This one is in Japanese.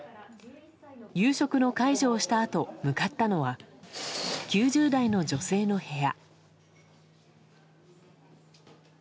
夕食の介助をしたあと向かったのは９０代の女性の部屋。